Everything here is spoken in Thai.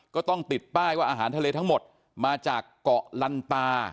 ก็ต้องติดป้ายว่าอาหารทะเลทั้งหมดมาจากเกาะลันตา